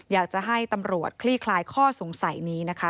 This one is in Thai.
อยากจะให้ตำรวจคลี่คลายข้อสงสัยนี้นะคะ